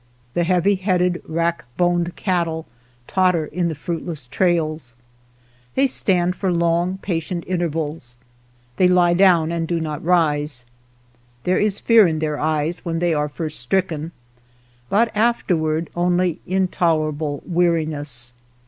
The heavy headed, rack boned cattle totter in the fruit less trails ; they stand for long, patient intervals ; they lie down and do not rise There is fear in their eyes when they are first stricken, but afterward only intol erable weariness.